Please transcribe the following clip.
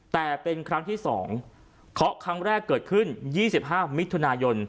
แต่เป็นครั้งที่๒เคาะครั้งแรกเกิดขึ้น๒๕มิถุนายน